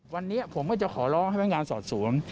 วันนี้ผมก็จะขอลองให้พงานสอดศูนย์